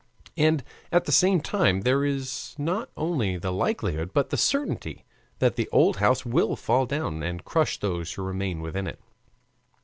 And at the same time, there is not only the likelihood but the certainty that the old house will fall down and crush those who remain within it.